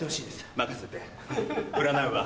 任せて占うわ。